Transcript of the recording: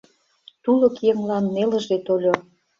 Тулык еҥлан нелыже тольо.